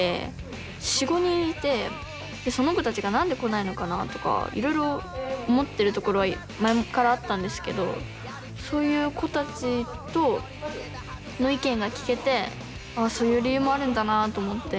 でその子たちが何で来ないのかなとかいろいろ思ってるところは前からあったんですけどそういう子たちの意見が聞けてああそういう理由もあるんだなと思って。